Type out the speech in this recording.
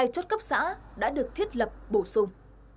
hai chốt cấp xã đã được thiết lập bổ sung